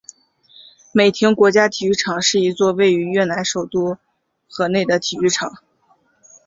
美亭国家体育场是一座位于越南首都河内的体育场。